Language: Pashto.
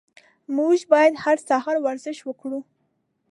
موږ باید هر سهار ورزش وکړو.